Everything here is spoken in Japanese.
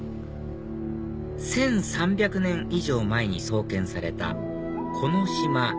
１３００年以上前に創建された木嶋